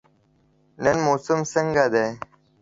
نن موسم څنګه دی؟